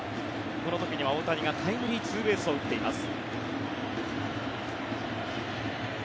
この時には大谷がタイムリーツーベースを打っています。